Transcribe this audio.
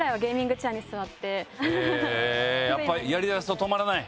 やっぱやりだすと止まらない？